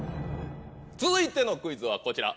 続いてのクイズはこちら。